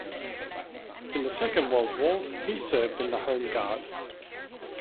In the Second World War he served in the Home Guard.